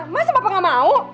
masa bapak gak mau